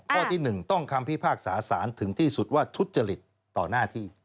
ข้อที่๑ต้องคำพิพากษาสารถึงที่สุดว่าทุจริตต่อหน้าที่